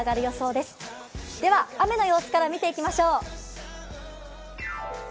では雨の様子から見ていきましょう。